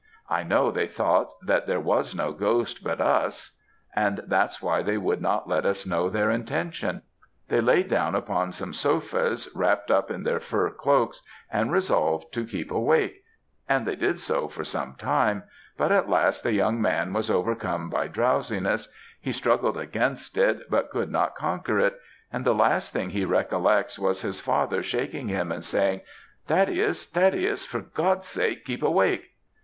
I know they thought that there was no ghost but us, and that's why they would not let us know their intention. They laid down upon some sofas, wrapt up in their fur cloaks, and resolved to keep awake, and they did so for some time, but at last the young man was overcome by drowsiness, he struggled against it, but could not conquer it, and the last thing he recollects was his father shaking him and saying 'Thaddeus, Thaddeus, for God's sake keep awake!'